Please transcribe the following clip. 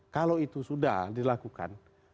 kalau itu sudah dilakukan